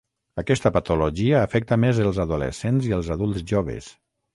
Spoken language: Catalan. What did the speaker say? Aquesta patologia afecta més els adolescents i els adults joves.